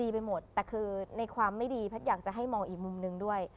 แพทย์อยากจะให้มองอีกมุมนึงด้วย